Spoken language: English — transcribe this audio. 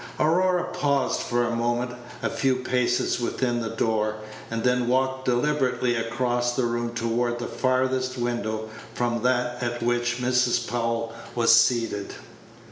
Aurora paused for a moment a few paces within the door, and then walked deliberately across the room toward the farthest window from that at which Mrs. Powell was seated.